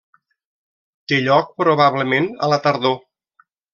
Té lloc, probablement, a la tardor.